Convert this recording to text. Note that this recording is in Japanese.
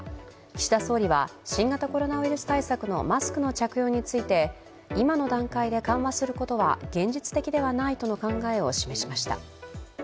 岸田総理は新型コロナウイルス対策のマスクの着用について今の段階で緩和することは現実的ではないとの考えを示しました。